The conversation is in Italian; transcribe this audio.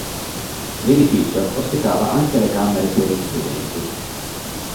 L'edificio ospitava anche le camere per gli studenti.